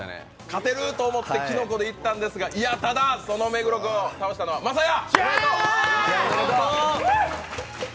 勝てると思って、きのこでいったんですが、ただ、それを倒したのは晶哉！